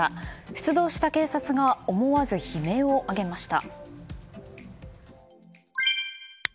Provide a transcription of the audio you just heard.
出動した警察が思わず悲鳴を上げました。